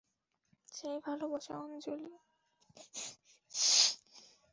সেই ভালোবাসা আঞ্জলি।